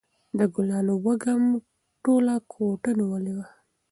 د ګلانو وږم ټوله کوټه نیولې وه.